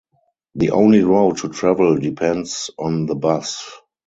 The only road to travel depends on the bus.